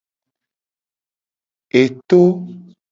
Eto.